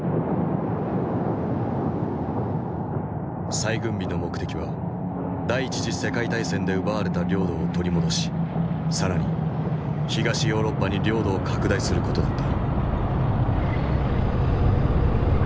再軍備の目的は第一次世界大戦で奪われた領土を取り戻し更に東ヨーロッパに領土を拡大する事だった。